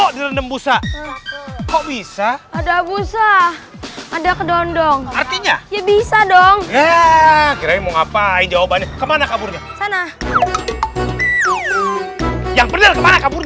fikri itu salah satu santri di pondok pesantri kunanta cuma sekarang dia lagi kabur